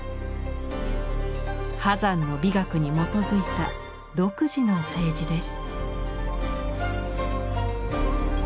波山の美学に基づいた独自の青磁です。